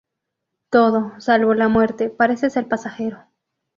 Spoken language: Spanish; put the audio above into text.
Todo, salvo la muerte, parece ser pasajero.